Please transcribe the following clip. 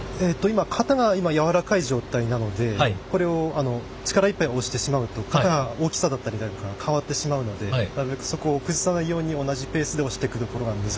型が今やわらかい状態なのでこれを力いっぱい押してしまうと型の大きさだったりなんか変わってしまうのでなるべくそこを崩さないように同じペースで押していくところが難しい。